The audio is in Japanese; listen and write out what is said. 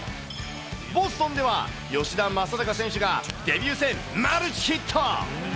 ボストンでは、吉田正尚選手がデビュー戦マルチヒット。